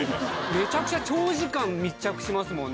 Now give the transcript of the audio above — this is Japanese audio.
めちゃくちゃ長時間密着しますもんね